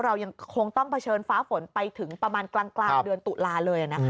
เรายังคงต้องเผชิญฟ้าฝนไปถึงประมาณกลางเดือนตุลาเลย